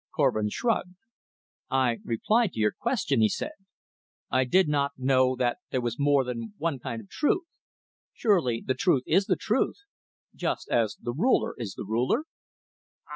Korvin shrugged. "I replied to your question," he said. "I did not know that there was more than one kind of truth. Surely the truth is the truth, just as the Ruler is the Ruler?"